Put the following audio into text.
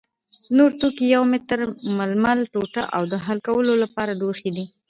نور توکي یو متر ململ ټوټه او د حل کولو لپاره لوښي دي.